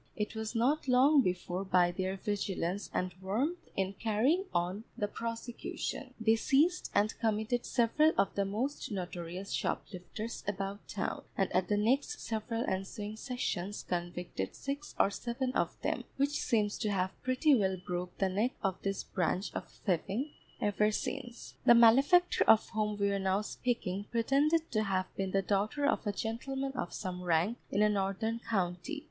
It was not long before by their vigilance and warmth in carrying on the prosecution, they seized and committed several of the most notorious shoplifters about town, and at the next several ensuing sessions convicted six or seven of them, which seems to have pretty well broke the neck of this branch of thieving ever since. The malefactor of whom we are now speaking pretended to have been the daughter of a gentleman of some rank in a northern county.